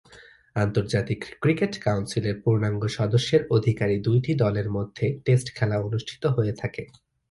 আন্তর্জাতিক ক্রিকেট কাউন্সিলের পূর্ণাঙ্গ সদস্যের অধিকারী দুইটি দলের মধ্যে টেস্ট খেলা অনুষ্ঠিত হয়ে থাকে।